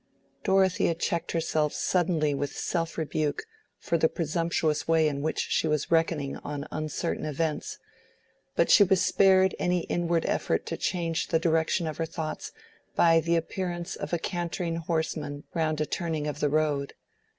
Dorothea checked herself suddenly with self rebuke for the presumptuous way in which she was reckoning on uncertain events, but she was spared any inward effort to change the direction of her thoughts by the appearance of a cantering horseman round a turning of the road.